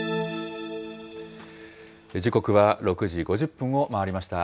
時刻は６時５０分を回りました。